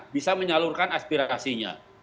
bisa menyalurkan aspirasinya